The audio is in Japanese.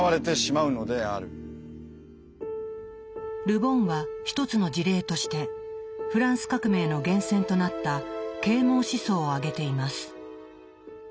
ル・ボンは一つの事例としてフランス革命の源泉となった「啓蒙思想」を挙げています。